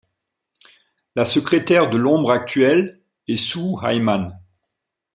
La secrétaire de l'ombre actuelle est Sue Hayman.